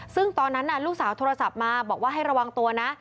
ซึ่งตอนนั้นลูกสาวโทรศัพท์มาบอกว่าให้ระวังตัวนะ